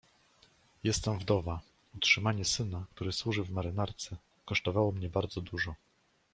"Jestem wdowa, utrzymanie syna, który służy w marynarce, kosztowało mnie bardzo dużo."